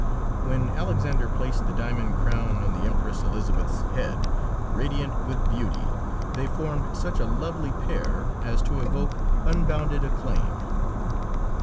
When Alexander placed the diamond crown on the Empress Elisabeth's head, radiant with beauty, they formed such a lovely pair as to evoke unbounded acclaim.